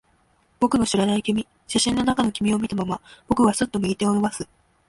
僕の知らない君。写真の中の君を見たまま、僕はすっと右手を伸ばす。